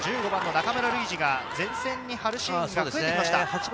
中村ルイジが前線に張るシーンが増えてきました。